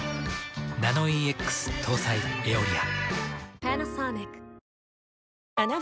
ナノイーＸ搭載「エオリア」。